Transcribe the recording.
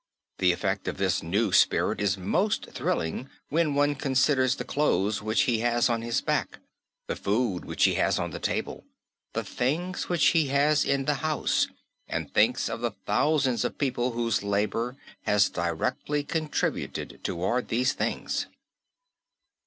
The effect of this new spirit is most thrilling when one considers the clothes which he has on his back, the food which he has on the table, the things which he has in the house, and thinks of the thousands of people whose labour has directly contributed toward these things.